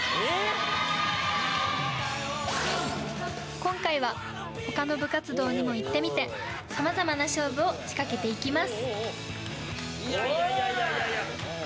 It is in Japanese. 今回は他の部活動にも行ってみてさまざまな勝負を仕掛けていきます！